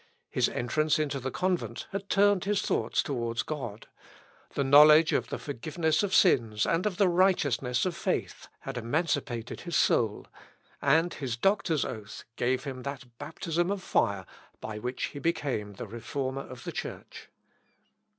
His entrance into the convent had turned his thoughts towards God: the knowledge of the forgiveness of sins and of the righteousness of faith, had emancipated his soul; and his doctor's oath gave him that baptism of fire by which he became the Reformer of the Church.